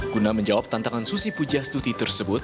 guna menjawab tantangan susi pujastuti tersebut